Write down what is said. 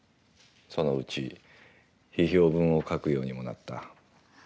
そのうち、批評文を書くようにもなった。